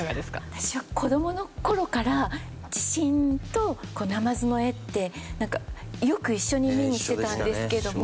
私は子どもの頃から地震とナマズの絵ってよく一緒に目にしてたんですけども。